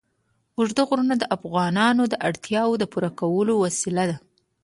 اوږده غرونه د افغانانو د اړتیاوو د پوره کولو وسیله ده.